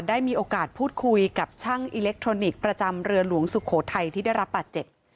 ได้มีโอกาสพูดคุยกับช่างอิเล็กทรอนิกส์ประจำเรือหลวงสุโขทัยที่ได้รับบาดเจ็บ